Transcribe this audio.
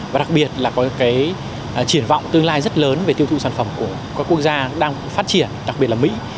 và đặc biệt là có cái triển vọng tương lai rất lớn về tiêu thụ sản phẩm của các quốc gia đang phát triển đặc biệt là mỹ